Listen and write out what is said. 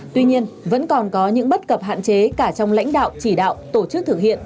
tuy nhiên vẫn còn có những bất cập hạn chế cả trong lãnh đạo chỉ đạo tổ chức thực hiện